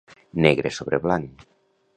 Negre sobre blanc.